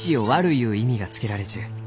ゆう意味がつけられちゅう。